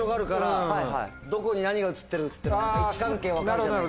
どこに何が映ってるって位置関係分かるじゃないですか。